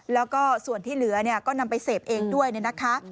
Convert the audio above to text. แล้วก็ส่วนที่เหลือก็นำไปเสพเองด้วยนะคะ